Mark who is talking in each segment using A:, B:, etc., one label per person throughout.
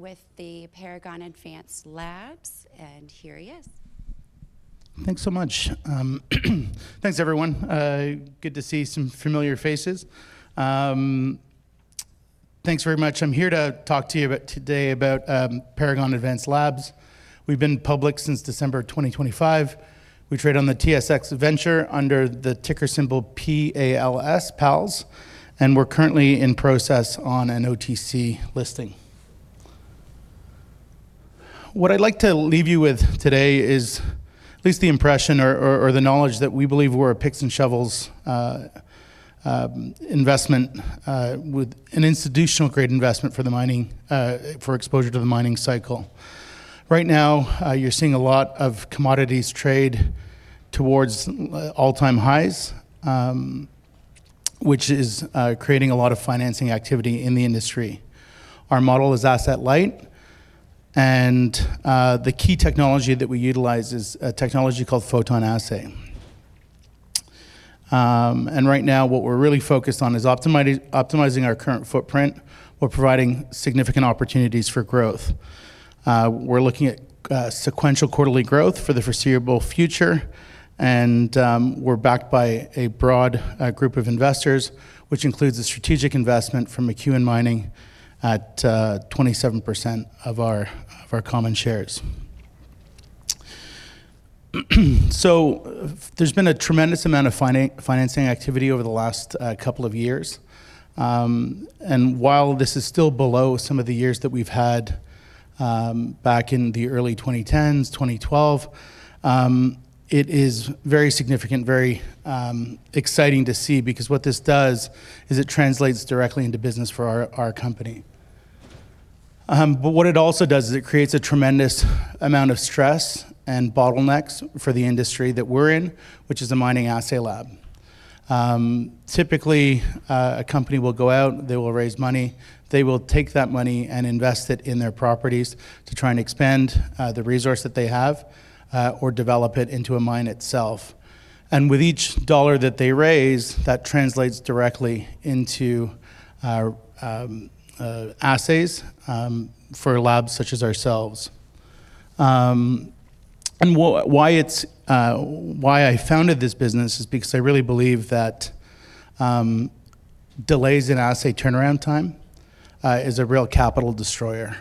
A: With the Paragon Advanced Labs. Here he is.
B: Thanks so much. Thanks, everyone. Good to see some familiar faces. Thanks very much. I'm here to talk to you today about Paragon Advanced Labs. We've been public since December 2025. We trade on the TSX Venture under the ticker symbol P-A-L-S, PALS. We're currently in process on an OTC listing. What I'd like to leave you with today is at least the impression or the knowledge that we believe we're a picks and shovels investment with an institutional-grade investment for exposure to the mining cycle. Right now, you're seeing a lot of commodities trade towards all-time highs, which is creating a lot of financing activity in the industry. Our model is asset-light. The key technology that we utilize is a technology called PhotonAssay. Right now, what we're really focused on is optimizing our current footprint while providing significant opportunities for growth. We're looking at sequential quarterly growth for the foreseeable future. We're backed by a broad group of investors, which includes a strategic investment from McEwen Inc. at 27% of our common shares. There's been a tremendous amount of financing activity over the last couple of years. While this is still below some of the years that we've had back in the early 2010s, 2012, it is very significant, very exciting to see, because what this does is it translates directly into business for our company. What it also does is it creates a tremendous amount of stress and bottlenecks for the industry that we're in, which is a mining assay lab. Typically, a company will go out, they will raise money, they will take that money and invest it in their properties to try and expand the resource that they have or develop it into a mine itself. With each dollar that they raise, that translates directly into assays for labs such as ourselves. Why I founded this business is because I really believe that delays in assay turnaround time is a real capital destroyer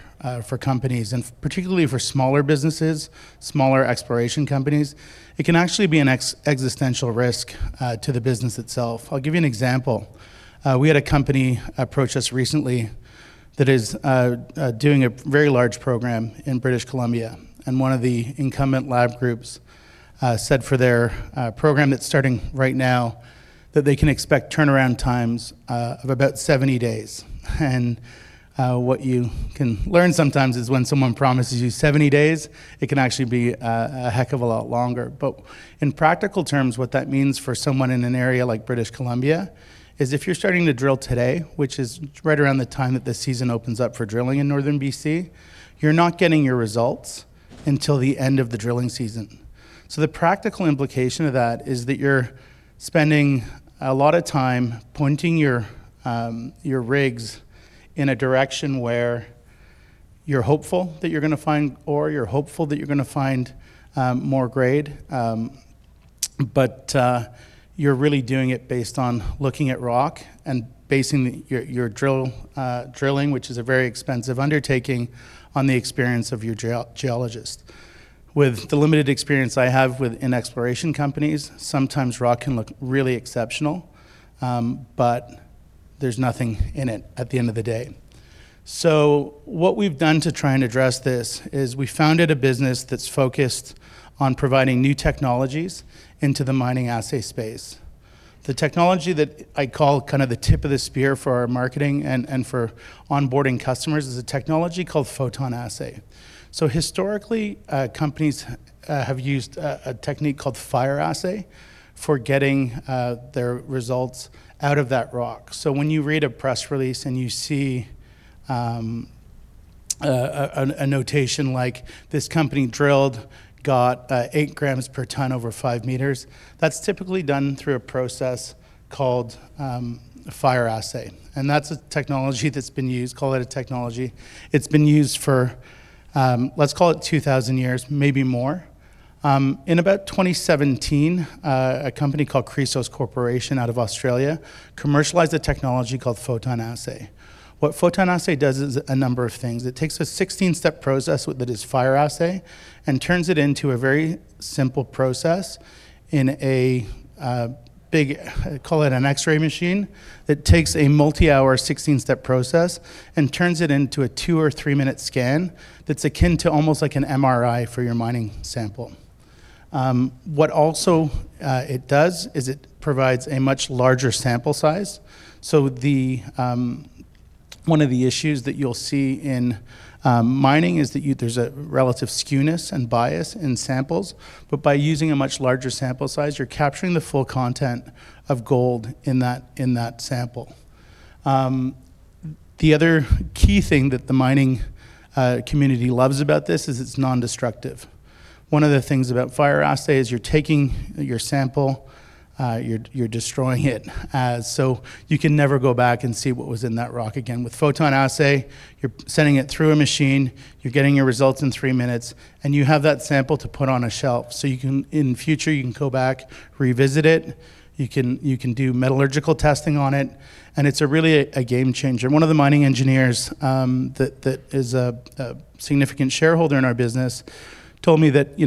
B: for companies, and particularly for smaller businesses, smaller exploration companies. It can actually be an existential risk to the business itself. I'll give you an example. We had a company approach us recently that is doing a very large program in British Columbia. One of the incumbent lab groups said for their program, that's starting right now that they can expect turnaround times of about 70 days. What you can learn sometimes is when someone promises you 70 days, it can actually be a heck of a lot longer. In practical terms, what that means for someone in an area like British Columbia is if you're starting to drill today, which is right around the time that the season opens up for drilling in northern B.C., you're not getting your results until the end of the drilling season. The practical implication of that is that you're spending a lot of time pointing your rigs in a direction where you're hopeful that you're going to find ore, you're hopeful that you're going to find more grade. You're really doing it based on looking at rock and basing your drilling, which is a very expensive undertaking, on the experience of your geologist. With the limited experience I have in exploration companies, sometimes rock can look really exceptional, but there's nothing in it at the end of the day. What we've done to try and address this is we founded a business that's focused on providing new technologies into the mining assay space. The technology that I call the tip of the spear for our marketing and for onboarding customers is a technology called PhotonAssay. Historically, companies have used a technique called fire assay for getting their results out of that rock. When you read a press release, and you see a notation like, "This company drilled, got eight grams per ton over five meters," that's typically done through a process called fire assay. That's a technology that's been used, call it a technology. It's been used for, let's call it 2,000 years, maybe more. In about 2017, a company called Chrysos Corporation out of Australia commercialized a technology called PhotonAssay. What PhotonAssay does is a number of things. It takes a 16-step process that is fire assay and turns it into a very simple process in a big, call it an X-ray machine, that takes a multi-hour, 16-step process and turns it into a two or three-minute scan that's akin to almost like an MRI for your mining sample. What also it does is it provides a much larger sample size. One of the issues that you'll see in mining is that there's a relative skewness and bias in samples, but by using a much larger sample size, you're capturing the full content of gold in that sample. The other key thing that the mining community loves about this is it's non-destructive. One of the things about fire assay is you're taking your sample, you're destroying it. You can never go back and see what was in that rock again. With PhotonAssay, you're sending it through a machine, you're getting your results in three minutes, and you have that sample to put on a shelf. In future, you can go back, revisit it, you can do metallurgical testing on it, and it's really a game changer. One of the mining engineers that is a significant shareholder in our business told me that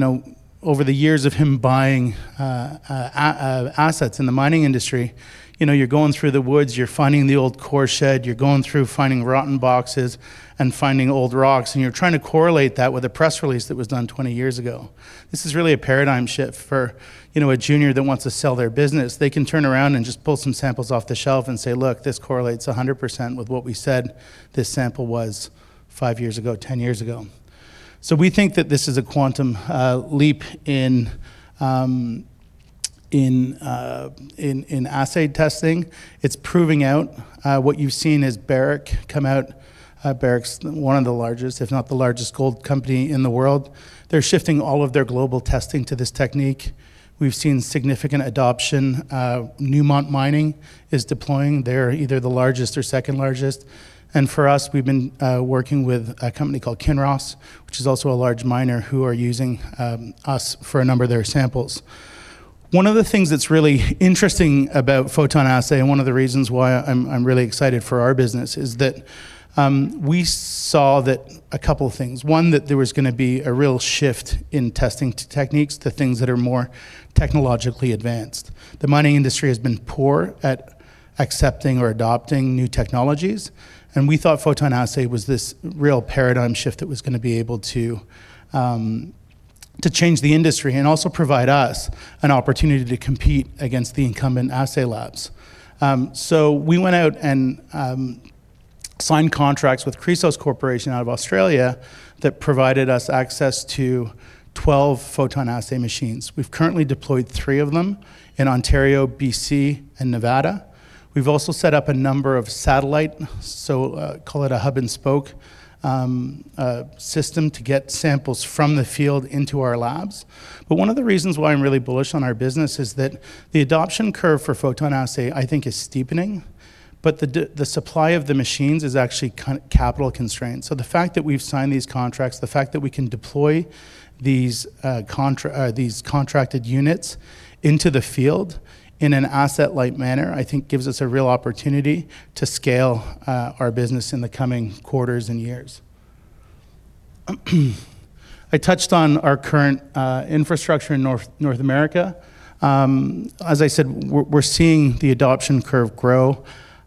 B: over the years of him buying assets in the mining industry, you're going through the woods, you're finding the old core shed, you're going through finding rotten boxes and finding old rocks, and you're trying to correlate that with a press release that was done 20 years ago. This is really a paradigm shift for a junior that wants to sell their business. They can turn around and just pull some samples off the shelf and say, "Look, this correlates 100% with what we said this sample was five years ago, 10 years ago." We think that this is a quantum leap in assay testing. It's proving out. What you've seen is Barrick come out. Barrick's one of the largest, if not the largest, gold company in the world. They're shifting all of their global testing to this technique. We've seen significant adoption. Newmont Corporation is deploying. They're either the largest or second largest. For us, we've been working with a company called Kinross, which is also a large miner who are using us for a number of their samples. One of the things that's really interesting about PhotonAssay, and one of the reasons why I'm really excited for our business, is that we saw a couple things. One, that there was going to be a real shift in testing techniques to things that are more technologically advanced. The mining industry has been poor at accepting or adopting new technologies, and we thought PhotonAssay was this real paradigm shift that was going to be able to change the industry and also provide us an opportunity to compete against the incumbent assay labs. We went out and signed contracts with Chrysos Corporation out of Australia that provided us access to 12 PhotonAssay machines. We've currently deployed three of them in Ontario, B.C., and Nevada. We've also set up a number of satellite, call it a hub-and-spoke system, to get samples from the field into our labs. One of the reasons why I'm really bullish on our business is that the adoption curve for PhotonAssay, I think, is steepening, but the supply of the machines is actually capital-constrained. The fact that we've signed these contracts, the fact that we can deploy these contracted units into the field in an asset-light manner, I think, gives us a real opportunity to scale our business in the coming quarters and years. I touched on our current infrastructure in North America. As I said, we're seeing the adoption curve grow.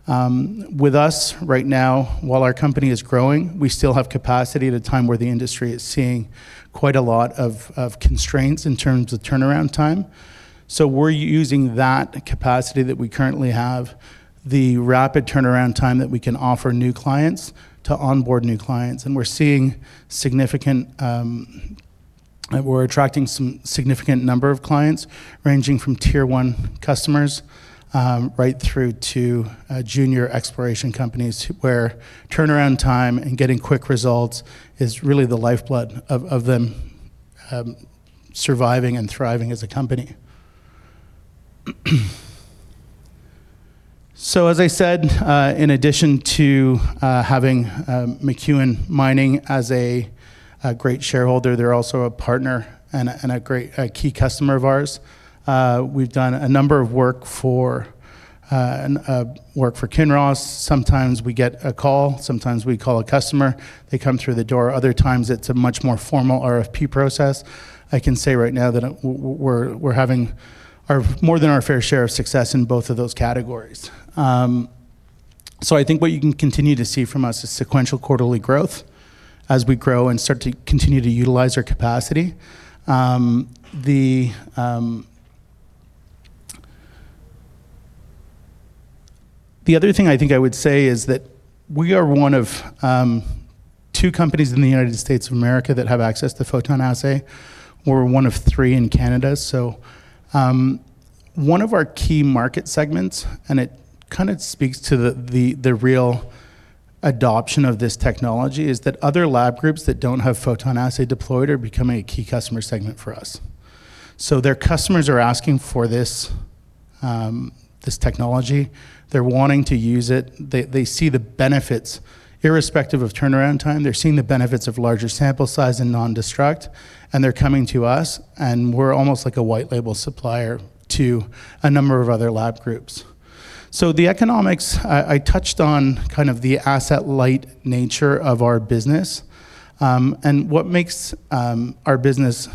B: With us right now, while our company is growing, we still have capacity at a time where the industry is seeing quite a lot of constraints in terms of turnaround time. We're using that capacity that we currently have, the rapid turnaround time that we can offer new clients to onboard new clients, and we're attracting some significant number of clients, ranging from tier 1 customers right through to junior exploration companies, where turnaround time and getting quick results is really the lifeblood of them surviving and thriving as a company. As I said, in addition to having McEwen Mining as a great shareholder, they're also a partner and a key customer of ours. We've done a number of work for Kinross. Sometimes we get a call, sometimes we call a customer, they come through the door. Other times, it's a much more formal RFP process. I can say right now that we're having more than our fair share of success in both of those categories. I think what you can continue to see from us is sequential quarterly growth as we grow and start to continue to utilize our capacity. The other thing I think I would say is that we are one of two companies in the U.S. that have access to PhotonAssay. We're one of three in Canada. One of our key market segments, and it kind of speaks to the real adoption of this technology, is that other lab groups that don't have PhotonAssay deployed are becoming a key customer segment for us. Their customers are asking for this technology. They're wanting to use it. They see the benefits irrespective of turnaround time. They're seeing the benefits of larger sample size and non-destructive, and they're coming to us, and we're almost like a white-label supplier to a number of other lab groups. The economics, I touched on, kind of the asset-light nature of our business. What makes our business,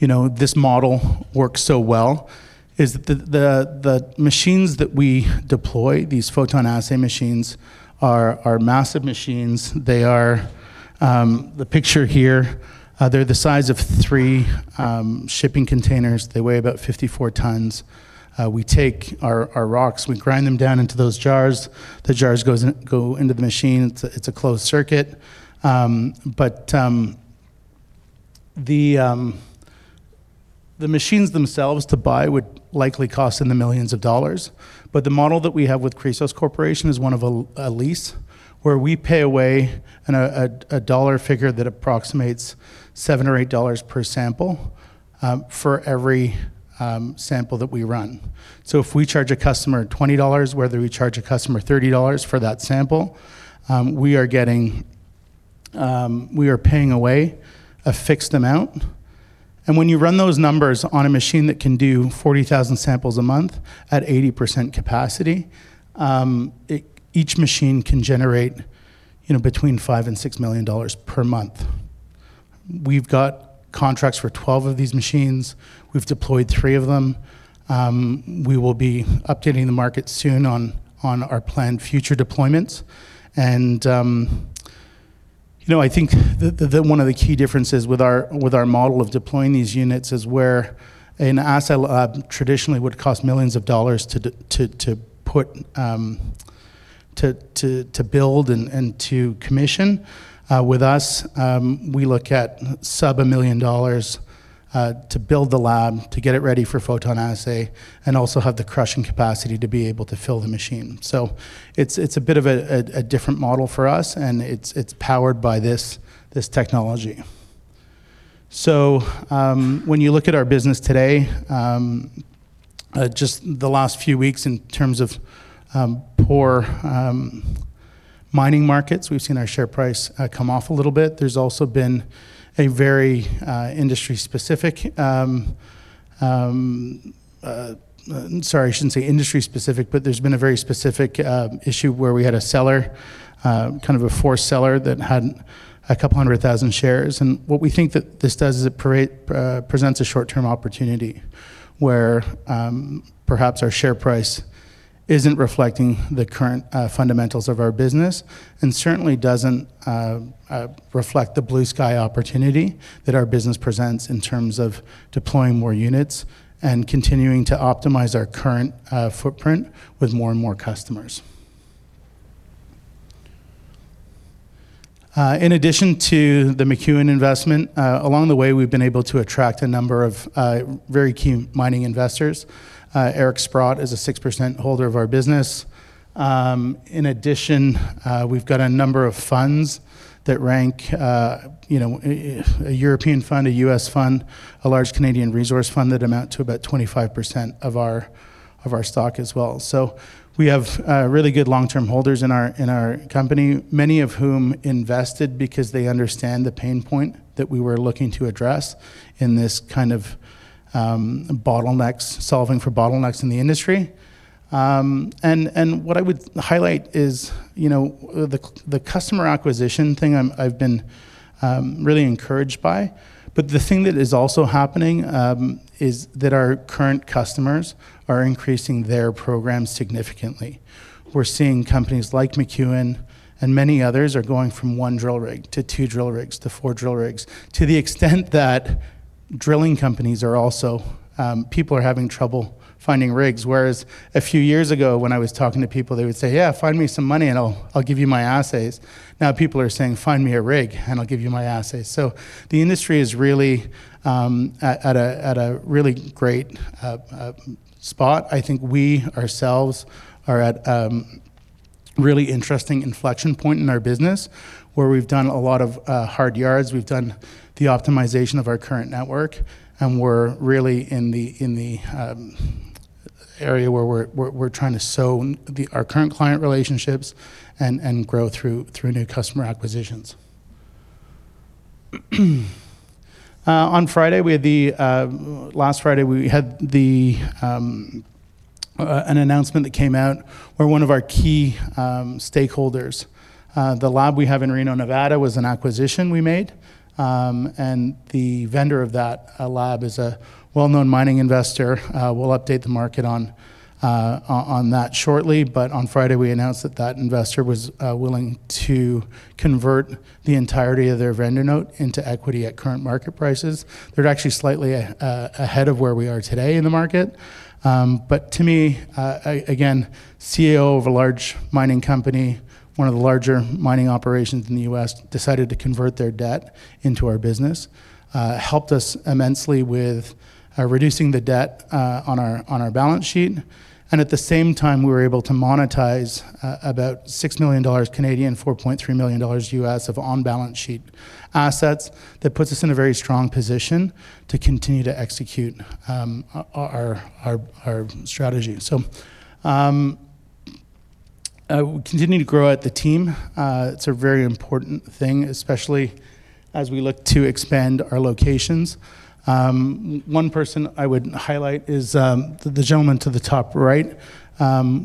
B: this model work so well is the machines that we deploy, these PhotonAssay machines are massive machines. The picture here they're the size of three shipping containers. They weigh about 54 tons. We take our rocks, we grind them down into those jars. The jars go into the machine. It's a closed circuit. The machines themselves to buy would likely cost in the millions of CAD. The model that we have with Chrysos Corporation is one of a lease where we pay away a dollar figure that approximates 7 or 8 dollars per sample for every sample that we run. If we charge a customer 20 dollars, whether we charge a customer 30 dollars for that sample, we are paying away a fixed amount. When you run those numbers on a machine that can do 40,000 samples a month at 80% capacity, each machine can generate between 5 million and 6 million dollars per month. We've got contracts for 12 of these machines. We've deployed three of them. We will be updating the market soon on our planned future deployments. I think one of the key differences with our model of deploying these units is where an assay lab traditionally would cost millions of CAD to build and to commission. With us, we look at sub 1 million dollars to build the lab, to get it ready for PhotonAssay, and also have the crushing capacity to be able to fill the machine. It's a bit of a different model for us, and it's powered by this technology. When you look at our business today, just the last few weeks in terms of poor mining markets, we've seen our share price come off a little bit. There's also been a very specific issue where we had a seller, kind of a forced seller, that had a couple hundred thousand shares. What we think that this does is it presents a short-term opportunity where perhaps our share price isn't reflecting the current fundamentals of our business, and certainly doesn't reflect the blue sky opportunity that our business presents in terms of deploying more units and continuing to optimize our current footprint with more and more customers. In addition to the McEwen investment, along the way, we've been able to attract a number of very keen mining investors. Eric Sprott is a 6% holder of our business. In addition, we've got a number of funds that rank, a European fund, a U.S. fund, a large Canadian resource fund that amount to about 25% of our stock as well. We have really good long-term holders in our company, many of whom invested because they understand the pain point that we were looking to address in this kind of bottlenecks, solving for bottlenecks in the industry. What I would highlight is the customer acquisition thing I've been really encouraged by, but the thing that is also happening is that our current customers are increasing their programs significantly. We're seeing companies like McEwen and many others are going from one drill rig to two drill rigs to four drill rigs, to the extent that drilling companies are also having trouble finding rigs, whereas a few years ago, when I was talking to people, they would say, "Yeah, find me some money, and I'll give you my assays." Now people are saying, "Find me a rig and I'll give you my assays." The industry is really at a really great spot. I think we ourselves are at a really interesting inflection point in our business where we've done a lot of hard yards. We've done the optimization of our current network, we're really in the area where we're trying to sow our current client relationships and grow through new customer acquisitions. Last Friday, we had an announcement that came out where one of our key stakeholders, the lab we have in Reno, Nevada, was an acquisition we made, and the vendor of that lab is a well-known mining investor. We'll update the market on that shortly. On Friday, we announced that investor was willing to convert the entirety of their vendor note into equity at current market prices. They're actually slightly ahead of where we are today in the market. To me, again, CEO of a large mining company, one of the larger mining operations in the U.S., decided to convert their debt into our business, helped us immensely with reducing the debt on our balance sheet, and at the same time, we were able to monetize about 6 million Canadian dollars, $4.3 million of on-balance sheet assets. That puts us in a very strong position to continue to execute our strategy. We continue to grow out the team. It's a very important thing, especially as we look to expand our locations. One person I would highlight is the gentleman to the top right.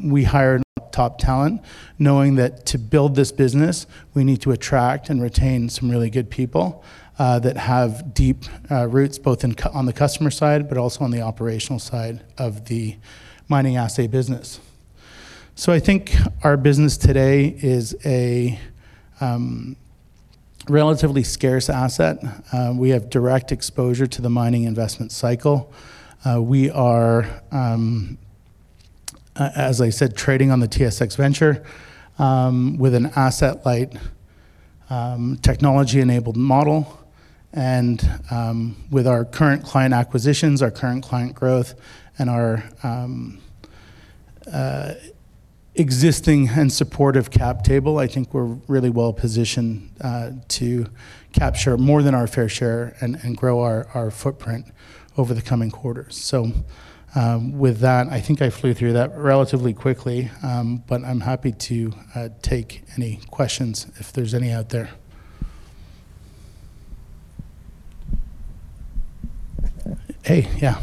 B: We hired top talent, knowing that to build this business, we need to attract and retain some really good people that have deep roots both on the customer side but also on the operational side of the mining assay business. I think our business today is a relatively scarce asset. We have direct exposure to the mining investment cycle. We are as I said, trading on the TSX Venture with an asset-light technology-enabled model. With our current client acquisitions, our current client growth, and our existing and supportive cap table, I think we're really well-positioned to capture more than our fair share and grow our footprint over the coming quarters. With that, I think I flew through that relatively quickly, but I'm happy to take any questions if there's any out there. Hey. Yeah.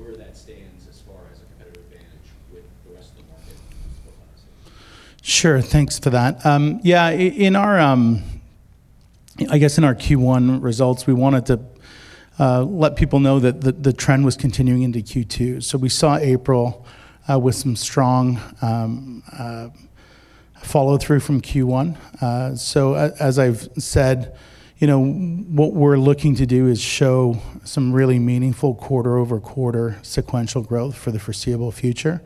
C: You spoke to the quarter-over-quarter sequential growth expected. I can't remember exactly because I did remember seeing it within your recent financials when you were sort of talking about that. Can you just run through it again? I think there was like a 40% metric in there on the current install base. Can you also talk a little bit about as this scales up into what you currently have from a 12-unit standpoint, where that stands as far as a competitive advantage with the rest of the market going forward?
B: Sure. Thanks for that. I guess in our Q1 results, we wanted to let people know that the trend was continuing into Q2. We saw April with some strong follow-through from Q1. As I've said, what we're looking to do is show some really meaningful quarter-over-quarter sequential growth for the foreseeable future.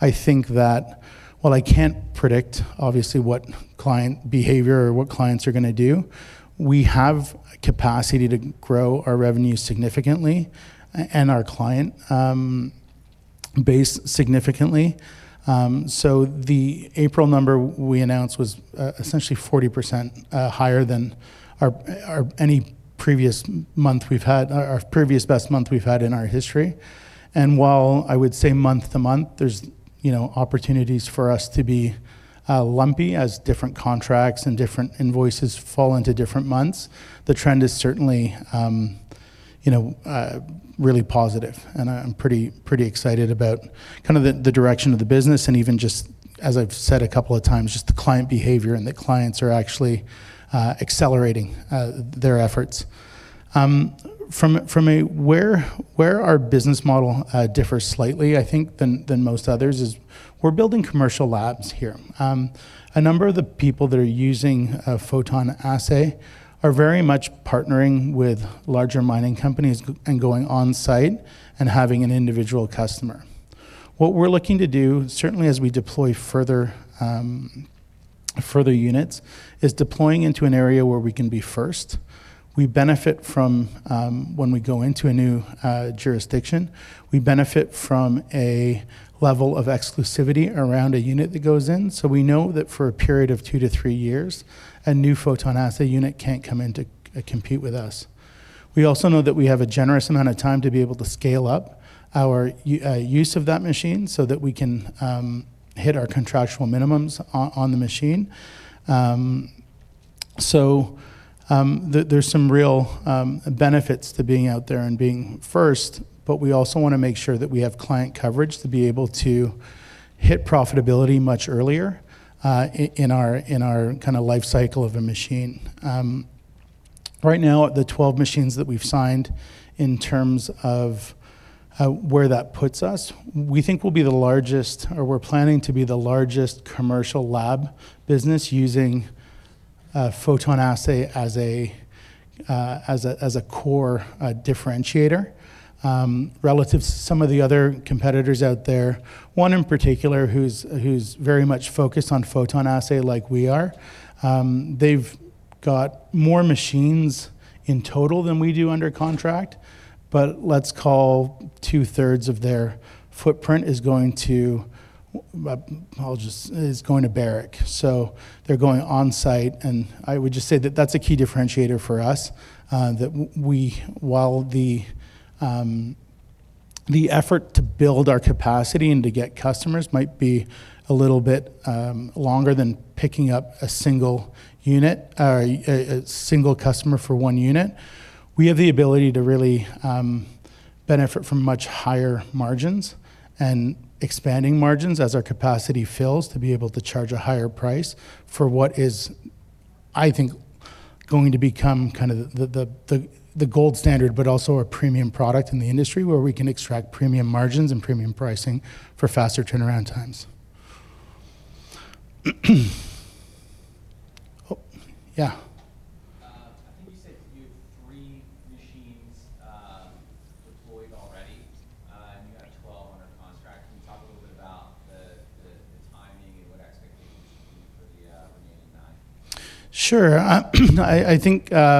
B: I think that while I can't predict obviously what client behavior or what clients are going to do, we have capacity to grow our revenue significantly and our client base significantly. The April number we announced was essentially 40% higher than our previous best month we've had in our history. While I would say month-to-month, there's opportunities for us to be lumpy as different contracts and different invoices fall into different months. The trend is certainly really positive. I'm pretty excited about kind of the direction of the business and even just as I've said a couple of times, just the client behavior and that clients are actually accelerating their efforts. Where our business model differs slightly, I think, than most others is we're building commercial labs here. A number of the people that are using PhotonAssay are very much partnering with larger mining companies and going on-site and having an individual customer. What we're looking to do, certainly as we deploy further units, is deploying into an area where we can be first. When we go into a new jurisdiction, we benefit from a level of exclusivity around a unit that goes in. We know that for a period of two to three years, a new PhotonAssay unit can't come in to compete with us. We also know that we have a generous amount of time to be able to scale up our use of that machine so that we can hit our contractual minimums on the machine. There's some real benefits to being out there and being first. We also want to make sure that we have client coverage to be able to hit profitability much earlier in our kind of life cycle of a machine. Right now, the 12 machines that we've signed in terms of where that puts us, we think will be the largest or we're planning to be the largest commercial lab business using PhotonAssay as a core differentiator relative to some of the other competitors out there. One in particular who's very much focused on PhotonAssay, like we are. They've got more machines in total than we do under contract, but let's call two-thirds of their footprint is going to Barrick. They're going on-site. I would just say that that's a key differentiator for us, that while the effort to build our capacity and to get customers might be a little bit longer than picking up a single customer for one unit. We have the ability to really benefit from much higher margins and expanding margins as our capacity fills to be able to charge a higher price for what is, I think, going to become kind of the gold standard, but also a premium product in the industry, where we can extract premium margins and premium pricing for faster turnaround times. Yeah.
C: I think you said you have three machines deployed already. You have 12 under contract. Can you talk a little bit about the timing and what expectations are for the remaining nine?
B: Sure. I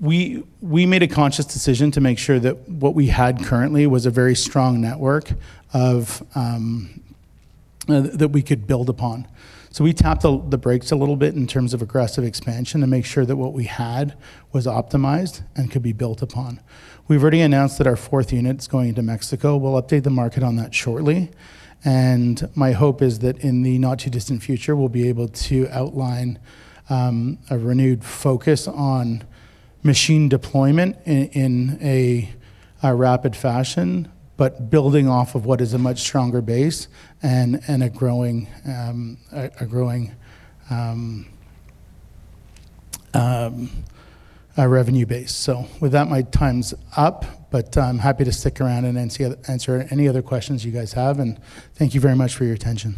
B: think we made a conscious decision to make sure that what we had currently was a very strong network that we could build upon. We tapped the brakes a little bit in terms of aggressive expansion to make sure that what we had was optimized and could be built upon. We've already announced that our fourth unit's going to Mexico. We'll update the market on that shortly. My hope is that in the not-too-distant future, we'll be able to outline a renewed focus on machine deployment in a rapid fashion, but building off of what is a much stronger base and a growing revenue base. With that, my time's up. I'm happy to stick around and answer any other questions you guys have. Thank you very much for your attention.